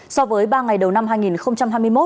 so với ba ngày đầu năm hai nghìn hai mươi một